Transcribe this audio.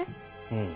うん。